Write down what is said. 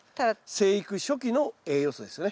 生育初期の栄養素ですよね。